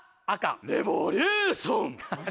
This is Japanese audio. レボリューション！